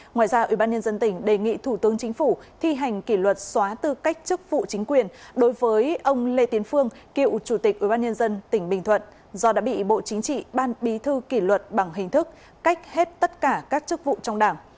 ngoài ra ủy ban nhân dân tỉnh đề nghị thủ tướng chính phủ thi hành kỷ luật xóa tư cách chức vụ chính quyền đối với ông lê tiến phương cựu chủ tịch ủy ban nhân dân tỉnh bình thuận do đã bị bộ chính trị ban bí thư kỷ luật bằng hình thức cách hết tất cả các chức vụ trong đảng